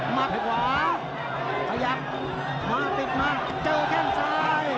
มัดขวาขยับมาติดมาเจอแข้งซ้าย